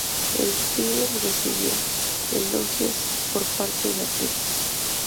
El film recibió elogios por parte de la crítica.